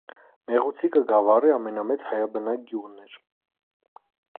Մեղուցիկը գավառի ամենամեծ հայաբնակ գյուղն էր։